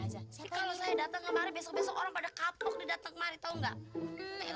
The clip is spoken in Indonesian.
kalau saya datang kemari besok besok orang pada kapok di datang kemari tau nggak